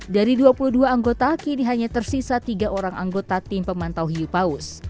dari dua puluh dua anggota kini hanya tersisa tiga orang anggota tim pemantau hiu paus